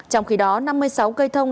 trong khi đó năm mươi sáu cây thông